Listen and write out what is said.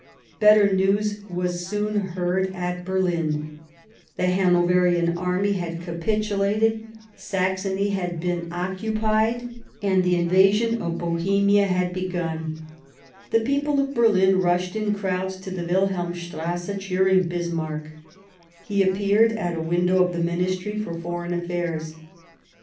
Better news was soon heard at Berlin ; the Hano verian army had capitulated ; Saxony had been occupied, and the invasion of Bohemia had begun. The people of Berlin rushed in crowds to the Wil helmstrasse cheering Bismarck. He appeared at a window of the Ministry for Foreign Affairs.